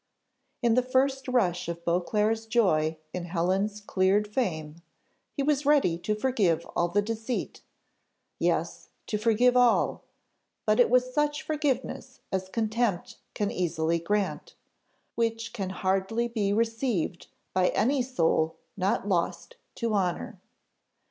In the first rush of Beauclerc's joy in Helen's cleared fame, he was ready to forgive all the deceit; yes, to forgive all; but it was such forgiveness as contempt can easily grant, which can hardly be received by any soul not lost to honour.